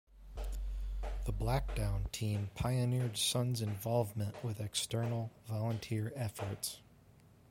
The Blackdown team pioneered Sun's involvement with external, volunteer efforts.